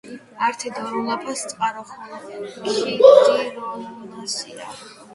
ართი დორულაფას წყარო ხოლო ქიდირულუანსია